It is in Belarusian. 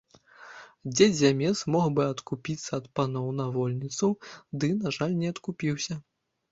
Дзед зямец мог бы адкупіцца ад паноў на вольніцу, ды, на жаль, не адкупіўся.